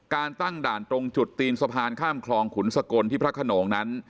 การตั้งด่านตรงจุดตีนสะพานข้ามคลองขุนสกลที่พระขนงนั้น